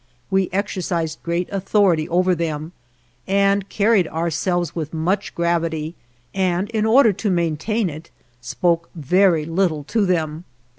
We exercised great authority over them, and carried ourselves with much gravity, and, in order to maintain it, spoke very little to them.